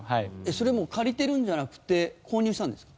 それもう借りてるんじゃなくて購入したんですか？